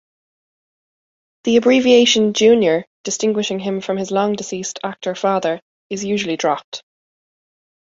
The abbreviation "Junior", distinguishing him from his long deceased actor father, is usually dropped.